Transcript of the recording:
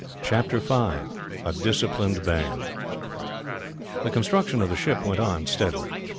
CHAPTER V: A DISCIPLINED BAND The construction of the ship went on steadily.